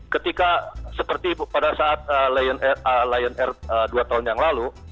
ketika seperti pada saat lion air dua tahun yang lalu